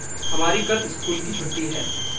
हमारी कल स्कूल की छुट्टी है।